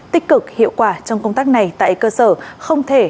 tích cực hiệu quả trong công tác này tại cơ sở không thể